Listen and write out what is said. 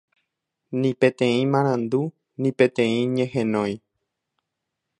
ni peteĩ marandu, ni peteĩ ñehenói